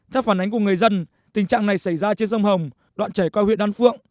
theo phản ánh của người dân tình trạng này xảy ra trên sông hồng đoạn chảy qua huyện đan phượng